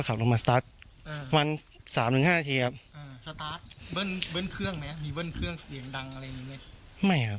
กลุ่มตัวเชียงใหม่